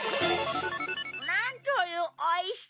「なんという美味しさ！